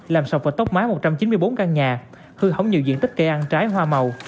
làm sọc vào tóc mái một trăm chín mươi bốn căn nhà hư hỏng nhiều diện tích cây ăn trái hoa màu